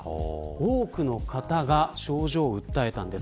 多くの方が症状を訴えたんです。